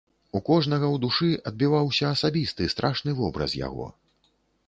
У кожнага ў душы адбіваўся асабісты страшны вобраз яго.